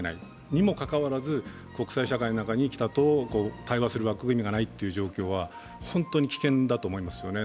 にもかかわらず国際社会の中に北と対話する枠組みがないという状況は本当に危険だと思いますよね。